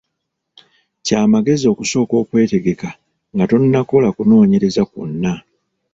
Kya magezi okusooka okwetegeka nga tonnakola kunoonyereza kwonna.